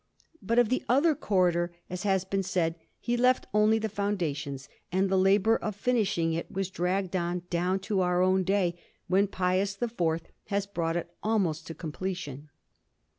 But of the other corridor, as has been said, he left only the foundations, and the labour of finishing it has dragged on down to our own day, when Pius IV has brought it almost to completion.